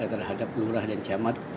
terhadap kelurahan dan camat